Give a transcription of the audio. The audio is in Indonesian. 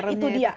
nah itu dia